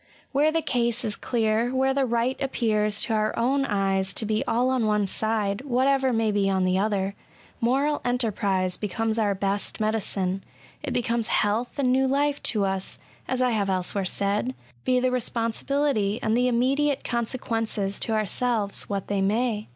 Where the case is clear, where the right appears to our own eyes to be all on one side, whatever may be on the other> moral enterprise becomes our best medicine | it becomes health and new life to us, as I have else^ where said, be the responsibility and the immediate consequences to ourselves what they may.